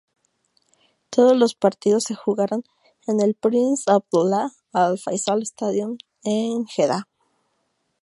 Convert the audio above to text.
Todos los partidos se jugaron en el Prince Abdullah Al Faisal Stadium en Jeddah.